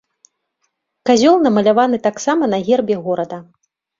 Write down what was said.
Казёл намаляваны таксама на гербе горада.